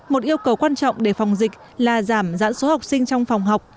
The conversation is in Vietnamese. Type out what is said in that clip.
một yêu cầu quan trọng để phòng dịch là giảm dãn số học sinh trong phòng học